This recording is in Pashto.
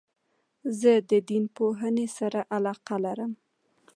زه د دین پوهني سره علاقه لرم.